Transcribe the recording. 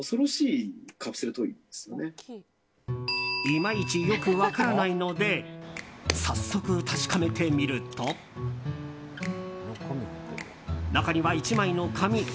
いまいちよく分からないので早速、確かめてみると中には１枚の紙。